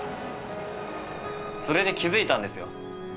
それで気付いたんですよ。